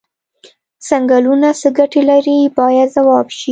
څنګلونه څه ګټې لري باید ځواب شي.